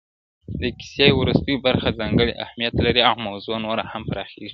د کيسې وروستۍ برخه ځانګړی اهميت لري او موضوع نوره هم پراخيږي,